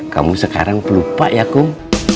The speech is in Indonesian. kamu sekarang lupa ya kang